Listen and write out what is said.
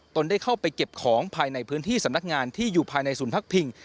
ตนได้เข้าไปเก็บของภายในพื้นที่สำนักงานที่อยู่ภายในศูนย์พักพิง